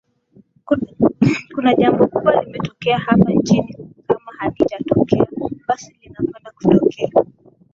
Kuna jambo kubwa limetokea hapa nchini kama halijatokea basi linakwenda kutokea